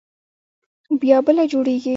بيا بله جوړوي.